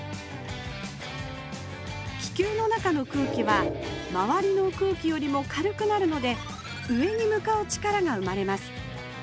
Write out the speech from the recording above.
気球の中の空気は周りの空気よりも軽くなるので上に向かう力が生まれます。